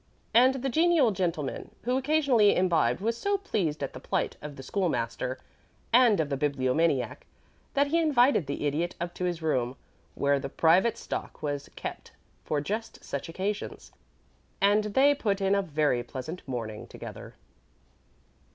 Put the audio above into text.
And the genial gentleman who occasionally imbibed was so pleased at the plight of the School master and of the Bibliomaniac that he invited the Idiot up to his room, where the private stock was kept for just such occasions, and they put in a very pleasant morning together.